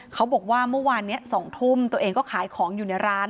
เขาบอกว่าเมื่อวานนี้๒ทุ่มตัวเองก็ขายของอยู่ในร้าน